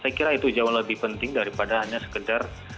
saya kira itu jauh lebih penting daripada hanya sekedar